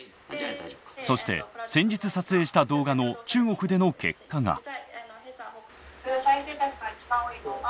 そして先日撮影した動画の中国での結果が。